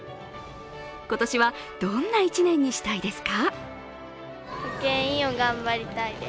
今年はどんな１年にしたいですか？